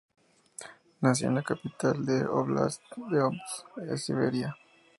Nació en la capital del óblast de Omsk, en Siberia.